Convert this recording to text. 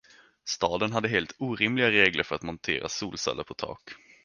Staden hade helt orimliga regler för att montera solceller på tak.